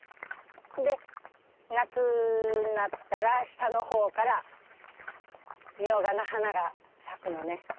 で夏になったら下の方からミョウガの花が咲くのね。